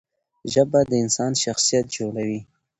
ژبه د انسان شخصیت جوړوي.